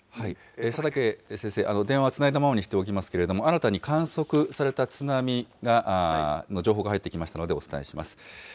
佐竹先生、電話つないだままにしておきますけれども、新たに観測された津波の情報が入ってきましたのでお伝えします。